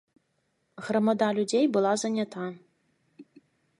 Грамада людзей была занята.